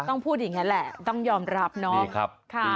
พูดอย่างนั้นแหละต้องยอมรับเนาะ